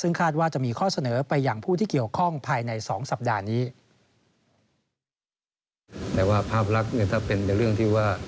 ซึ่งคาดว่าจะมีข้อเสนอไปอย่างผู้ที่เกี่ยวข้องภายในสองสัปดาห์นี้แต่ว่าภาพลักษณ์